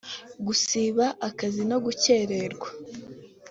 gusiba akazi no gukerererwa